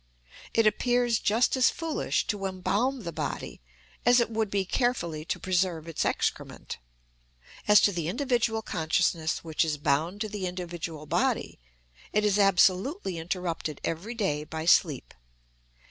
It appears just as foolish to embalm the body as it would be carefully to preserve its excrement. As to the individual consciousness which is bound to the individual body, it is absolutely interrupted every day by sleep.